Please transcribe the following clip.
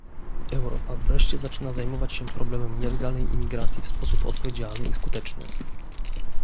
Europa wreszcie zaczyna zajmować się problemem nielegalnej imigracji w sposób odpowiedzialny i skuteczny